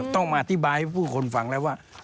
ต้องมาอธิบายให้ผู้คนฟังแล้วว่า